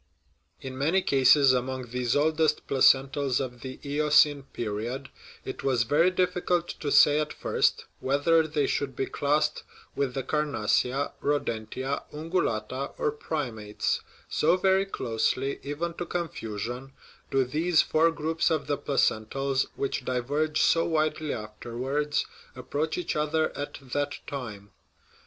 In many cases among these oldest placentals of the Eocene period it was very difficult to say at first whether they should be classed with the carnassia, rodentia, ungulata, or primates; so very closely, even to confusion, do these four groups of the placentals, which diverge so widely afterwards, ap proach each other at that time.